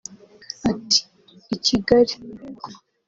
Ati “ I Kigali